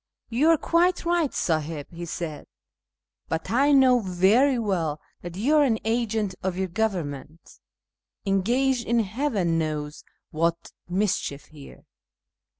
" You are quite right, Siiliib," he said, " but I know very well that you are an agent of your govern ment, engaged in heaven knows what mischief here."